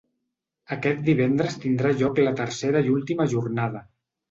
Aquest divendres tindrà lloc la tercera i última jornada.